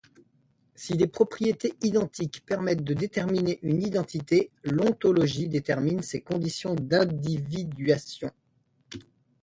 Si des propriétés identiques permettent de déterminer une identité, l'ontologie détermine ses conditions d'individuation.